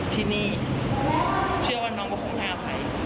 ที่นี่เชื่อว่าน้องก็คงให้อภัย